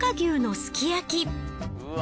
うわ